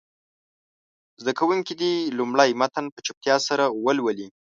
زده کوونکي دې لومړی متن په چوپتیا سره ولولي.